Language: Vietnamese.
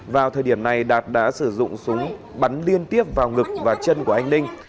vào thời điểm này đạt đã sử dụng súng bắn liên tiếp vào ngực và chân của anh ninh